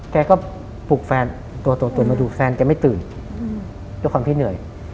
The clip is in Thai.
แกก็ปลุกแฟนตัวตื่นมาดูแฟนแกไม่ตื่นด้วยความที่เหนื่อย